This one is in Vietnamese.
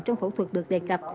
trong phẫu thuật được đề cập